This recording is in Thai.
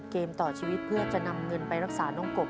เกมต่อชีวิตเพื่อจะนำเงินไปรักษาน้องกบ